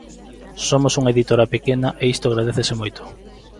Somos unha editora pequena e isto agradécese moito.